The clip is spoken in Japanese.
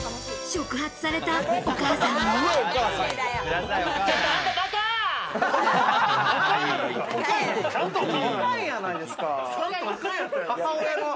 触発されたお母さんも。